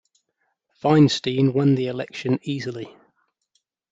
Feinstein won the election easily.